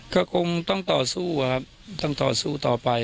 ก็คงต้องต่อสู้ครับต้องต่อสู้ต่อไป